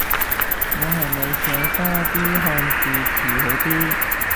我係咪寫多啲漢字詞好啲